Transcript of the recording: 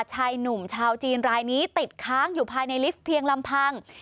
ชายหนุ่มชาวจีนรายนี้ติดค้างอยู่ภายในลิฟต์เพียงลำพัง